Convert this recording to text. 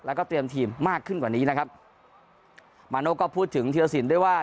แล้วก็เตรียมทีมมากขึ้นกว่านี้นะครับมาโน่ก็พูดถึงธีรสินด้วยว่า